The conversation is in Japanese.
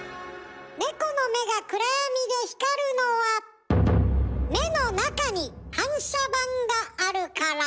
ネコの目が暗闇で光るのは目の中に反射板があるから。